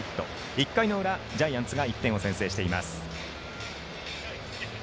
１回の裏、ジャイアンツが１点を先制しています。